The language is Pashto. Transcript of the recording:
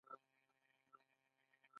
انسان باید د ژوند د دوام لپاره وخوري